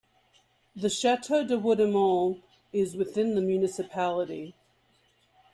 The Château de Wodémont is within the municipality.